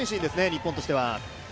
日本としては。